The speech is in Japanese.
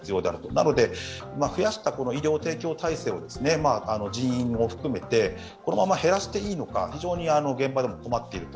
なので、増やした医療提供体制を人員を含めてこのまま減らしていいのか、非常に現場でも困っていると。